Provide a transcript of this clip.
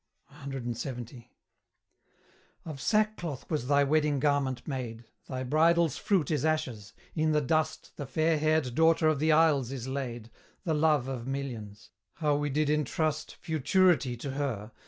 CLXX. Of sackcloth was thy wedding garment made: Thy bridal's fruit is ashes; in the dust The fair haired Daughter of the Isles is laid, The love of millions! How we did entrust Futurity to her!